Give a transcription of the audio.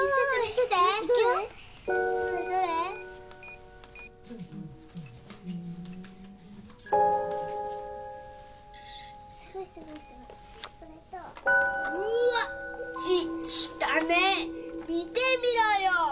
見てみろよ！